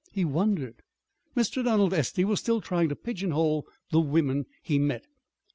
He wondered Mr. Donald Estey was still trying to pigeonhole the women he met.